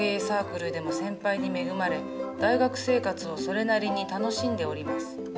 サークルでも先輩に恵まれ大学生活をそれなりに楽しんでおります。